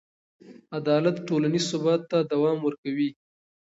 عدالت ټولنیز ثبات ته دوام ورکوي.